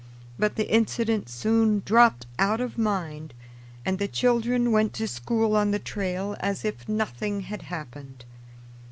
But the incident soon dropped out of mind and the children went to school on the trail as if nothing had happened.